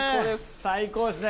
最高ですね。